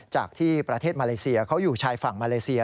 จากที่ประเทศมาเลเซียเขาอยู่ชายฝั่งมาเลเซีย